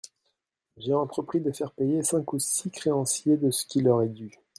J'ai entrepris de faire payer cinq ou six créanciers de ce qui leur est dû.